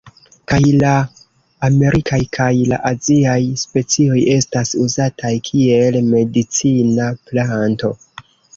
Kaj la amerikaj kaj la aziaj specioj estas uzataj kiel medicina planto.